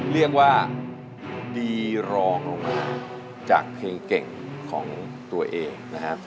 เรียกว่าดีรองลงมาจากเพลงเก่งของตัวเองนะครับ